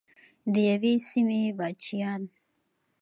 د یوې سیمې بچیان.